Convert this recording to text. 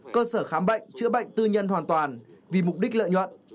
cơ sở khám bệnh chữa bệnh tư nhân hoàn toàn vì mục đích lợi nhuận